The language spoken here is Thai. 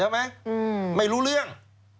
ไม่รู้เรื่อง